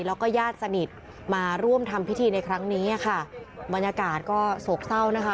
แล้วก็ญาติสนิทมาร่วมทำพิธีในครั้งนี้ค่ะบรรยากาศก็โศกเศร้านะคะ